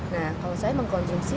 nah kalau saya mengkonsumsi